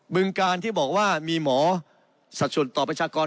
ึงการที่บอกว่ามีหมอสัดส่วนต่อประชากร